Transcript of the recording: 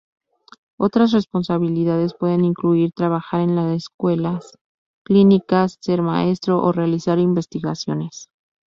Otras responsabilidades pueden incluir trabajar en la escuelas, clínicas, ser maestro o realizar investigaciones.